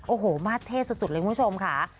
โอ้โหมาเท่สุดเลยคุณผู้ชมค่ะ